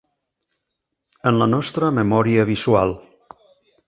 En la nostra memòria visual.